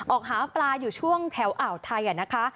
ออกหาปลาอยู่ช่วงแถวอ่าวไทยนะคะ